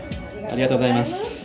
ありがとうございます。